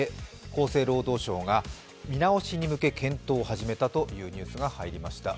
厚生労働省が見直しに向け検討を始めたというニュースが入りました。